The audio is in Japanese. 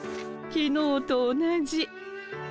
「きのうとおなじ」。